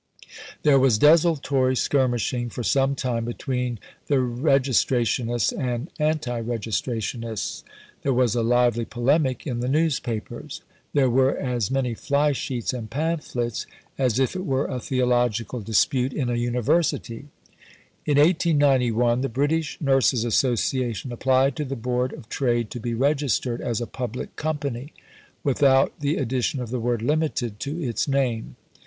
There was desultory skirmishing for some time between the Registrationists and anti Registrationists. There was a lively polemic in the newspapers. There were as many fly sheets and pamphlets as if it were a theological dispute in a University. In 1891 the British Nurses Association applied to the Board of Trade to be registered as a Public Company, without the addition of the word "Limited" to its name.